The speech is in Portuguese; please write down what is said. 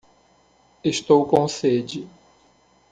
Estou com sede.